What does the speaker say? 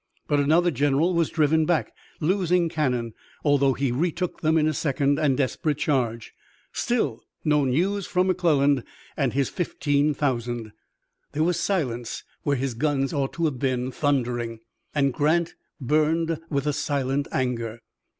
But another general was driven back, losing cannon, although he retook them in a second and desperate charge. Still no news from McClernand and his fifteen thousand! There was silence where his guns ought to have been thundering, and Grant burned with silent anger.